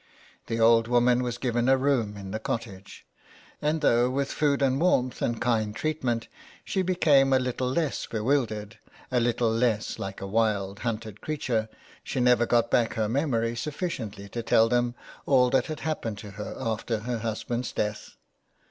The old 246 THE WEDDING GOWN. woman was given a room in the cottage, and though with food and warmth and kind treatment she be came a little less bewildered, a little less like a wild, hunted creature, she never got back her memory sufficiently to tell them all that had happened to her after her husband's death.